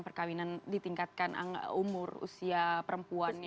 perkawinan ditingkatkan umur usia perempuannya